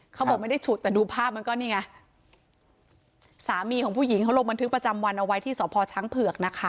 เขาบอกไม่ได้ฉุดแต่ดูภาพมันก็นี่ไงสามีของผู้หญิงเขาลงบันทึกประจำวันเอาไว้ที่สพช้างเผือกนะคะ